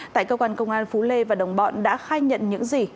tại cơ quan công an phú lê và đồng bọn đã khai nhận những gì